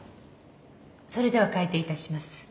それでは開廷いたします。